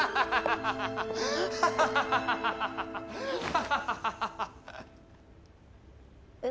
ハハハハハ！え？